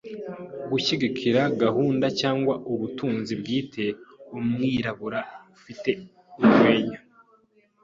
gushyigikira gahunda cyangwa ubutunzi bwite, umwirabura ufite urwenya